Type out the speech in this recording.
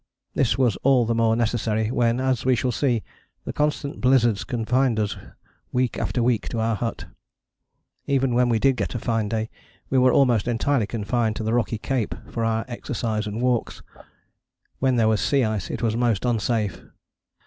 This was all the more necessary when, as we shall see, the constant blizzards confined us week after week to our hut. Even when we did get a fine day we were almost entirely confined to the rocky cape for our exercise and walks. When there was sea ice it was most unsafe.